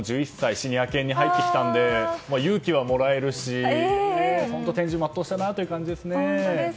シニア犬に入ってきたので勇気はもらえますし本当、天寿を全うしたなという感じですね。